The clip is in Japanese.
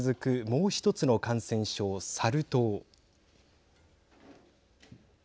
もう１つの感染症、サル痘。